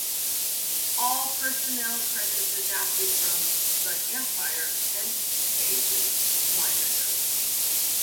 All personnel credits adapted from "The Campfire Headphase"s liner notes.